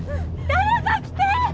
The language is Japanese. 誰か来てー！